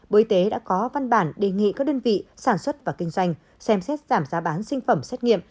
bộ y tế đã có văn bản đề nghị các đơn vị sản xuất và kinh doanh xem xét giảm giá bán sinh phẩm xét nghiệm